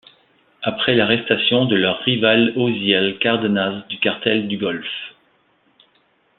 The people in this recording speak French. Après l'arrestation de leur rival Osiel Cardenas du Cartel du Golfe.